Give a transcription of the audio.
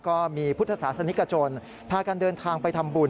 ก็มีพุทธศาสนิกชนพากันเดินทางไปทำบุญ